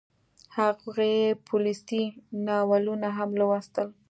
هغې پوليسي ناولونه هم لوستل